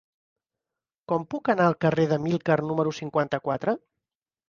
Com puc anar al carrer d'Amílcar número cinquanta-quatre?